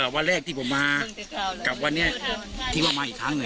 วันแรกที่ผมมากับวันที่มาอีกครั้ง